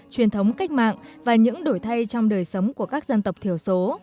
truyền thống cách mạng và những đổi thay trong đời sống của các dân tộc thiểu số